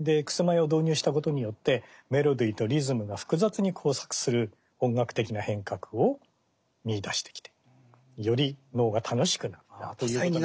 曲舞を導入したことによってメロディーとリズムが複雑に交錯する音楽的な変革を見いだしてきてより能が楽しくなったということに。